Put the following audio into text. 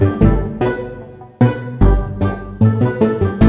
ya allah salamualaikum waalaikumsalam wa rahmatullah